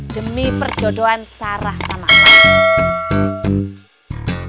demi perjodohan sarah sama elang